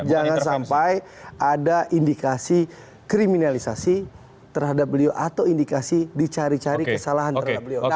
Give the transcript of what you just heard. jangan sampai ada indikasi kriminalisasi terhadap beliau atau indikasi dicari cari kesalahan terhadap beliau